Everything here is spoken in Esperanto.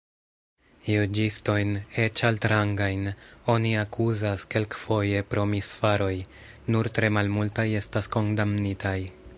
Juĝistojn, eĉ altrangajn, oni akuzas kelkfoje pro misfaroj: nur tre malmultaj estas kondamnitaj.